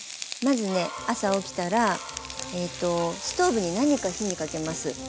まずね朝起きたらストーブに何か火にかけます。